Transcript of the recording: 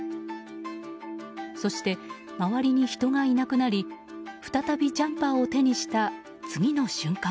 そして、周りに人がいなくなり再びジャンパーを手にした次の瞬間。